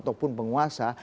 atau pun penguasa